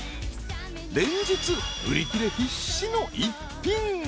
［連日売り切れ必至の一品］